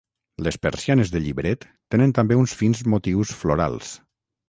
Les persianes de llibret tenen també uns fins motius florals.